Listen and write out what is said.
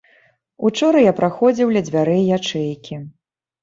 Учора я праходзіў ля дзвярэй ячэйкі.